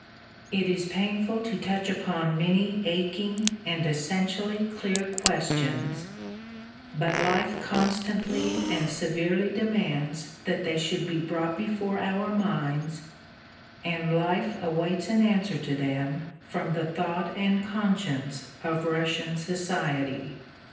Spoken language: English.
It is painful to touch upon many aching and essentially clear questions, but life constantly and severely demands that they should be brought before our minds, and life awaits an answer to them from the thought and conscience of Russian society.